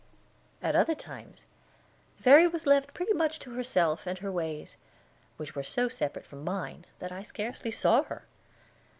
At other times Verry was left pretty much to herself and her ways, which were so separate from mine that I scarcely saw her.